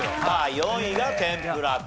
４位が天ぷらと。